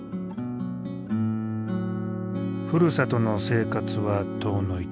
ふるさとの生活は遠のいた。